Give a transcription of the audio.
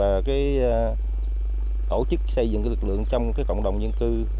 đơn vị cũng đã thực hiện và tổ chức xây dựng lực lượng trong cộng đồng dân cư